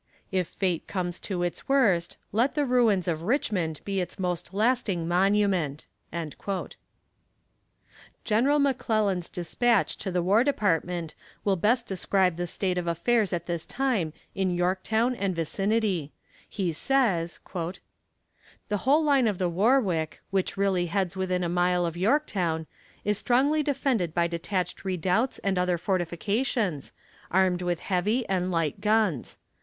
If fate comes to its worst, let the ruins of Richmond be its most lasting monument." General McClellan's despatch to the War Department will best describe the state of affairs at this time in Yorktown and vicinity; he says: "The whole line of the Warwick, which really heads within a mile of Yorktown, is strongly defended by detached redoubts and other fortifications, armed with heavy and light guns.